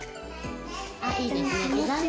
あいいですね。